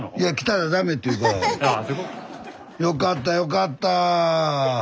よかったよかった。